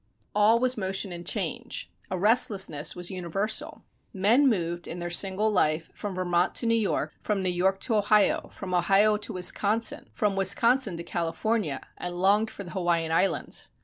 All was motion and change. A restlessness was universal. Men moved, in their single life, from Vermont to New York, from New York to Ohio, from Ohio to Wisconsin, from Wisconsin to California, and longed for the Hawaiian Islands.